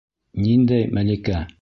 Ниндәй Мәликә?